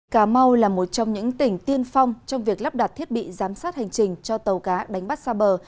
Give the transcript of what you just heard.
cà mau là một trong những tỉnh tiên phong trong việc lắp đặt thiết bị giám sát hành trình cho tàu cá đánh bắt xa bờ